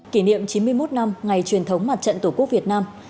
kỷ niệm chín mươi một năm ngày truyền thống mặt trận tổ quốc việt nam